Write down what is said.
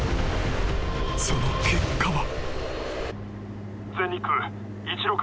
［その結果は］